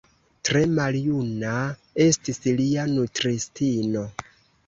Tre maljuna estis lia nutristino.